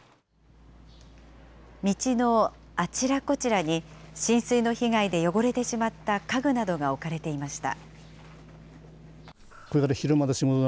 道のあちらこちらに浸水の被害で汚れてしまった家具などが置かれていました。